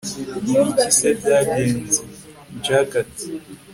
ibiki se byagenze!? jack ati